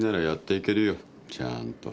ちゃんと。